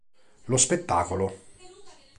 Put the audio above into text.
Lo spettacolo.